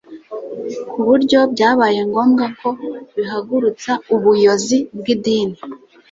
ku buryo byabaye ngombwa ko bihagurutsa ubuyozi bw’idini.